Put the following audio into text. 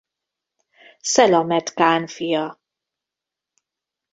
Szelamet kán fia.